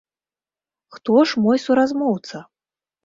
Хто ж мой суразмоўца?